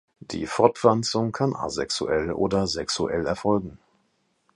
Die Fortpflanzung kann asexuell oder sexuell erfolgen.